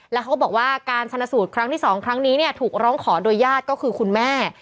แล้วเขาก็บอกว่าการชนะสูตรครั้งที่๒ครั้งนี้เนี่ยถูกร้องขอโดยญาติก็คือคุณแม่